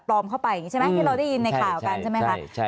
ปลอมเข้าไปใช่ไหมที่เราได้ยินในข่าวกันใช่ไหมครับ